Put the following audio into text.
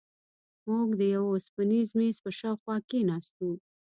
موږ د یوه اوسپنیز میز پر شاوخوا کېناستو.